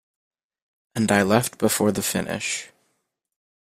And I left before the finish.